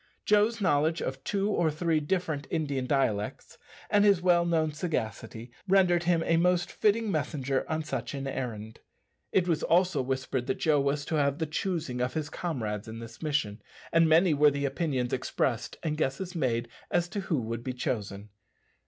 Joe's knowledge of two or three different Indian dialects, and his well known sagacity, rendered him a most fitting messenger on such an errand. It was also whispered that Joe was to have the choosing of his comrades in this mission, and many were the opinions expressed and guesses made as to who would be chosen.